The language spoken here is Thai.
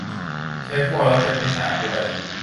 ใช้ครัวแล้วเก็บให้สะอาดด้วย